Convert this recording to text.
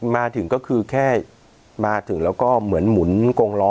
มาถึงก็คือแค่มาถึงแล้วก็เหมือนหมุนกงล้อ